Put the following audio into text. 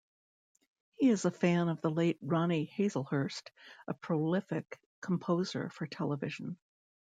He is a fan of the late Ronnie Hazlehurst, a prolific composer for television.